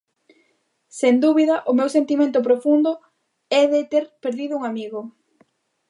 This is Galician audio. Sen dúbida, o meu sentimento profundo é de ter perdido un amigo.